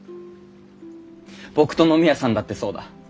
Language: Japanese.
僕と野宮さんだってそうだ。